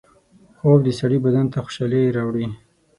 خوب د سړي بدن ته خوشحالۍ راوړي